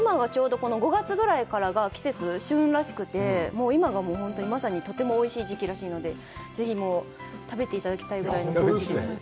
５月ぐらいから季節、旬らしくて、今がまさにとてもおいしい時期らしいので、ぜひ食べていただきたいぐらいです。